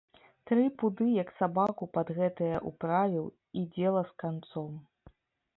Тры пуды як сабаку пад гэтае ўправіў, і дзела з канцом.